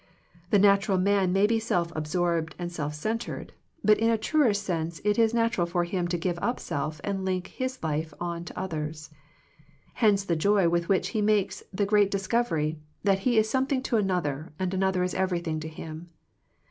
The natural man may be self absorbed and self centred, but in a truer sense it is natural for him to give up self and link his life on to others. Hence the joy with which he makes the great discovery, that he is something to another and another is everything to him.